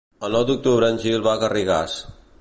El nou d'octubre en Gil va a Garrigàs.